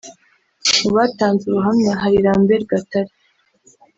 Mu batanze ubuhamya hari Lambert Gatare